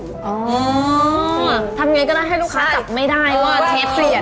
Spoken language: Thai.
อ๋อทำยังไงก็ได้ให้ลูกค้าจับไม่ได้ว่าเทปเปลี่ยน